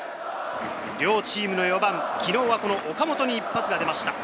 両チームの４番、昨日はこの岡本に一発が出ました。